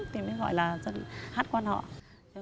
thì mới gọi là hát quan họa